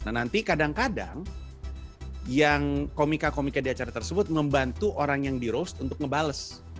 nah nanti kadang kadang yang komika komika di acara tersebut membantu orang yang di rose untuk ngebales